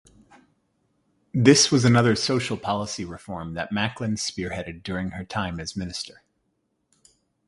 This was another social policy reform that Macklin spearheaded during her time as Minister.